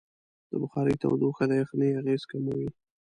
د بخارۍ تودوخه د یخنۍ اغېز کموي.